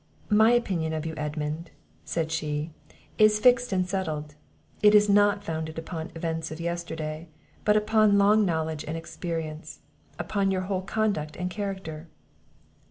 "My opinion of you, Edmund," said she, "is fixed and settled. It is not founded upon events of yesterday, but upon long knowledge and experience; upon your whole conduct and character."